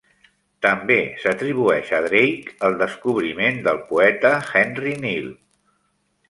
També s'atribueix a Drake el descobriment del poeta Henry Neele.